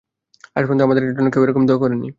আজ পর্যন্ত আমার জন্য কেউ এরকম দোয়া করে নি।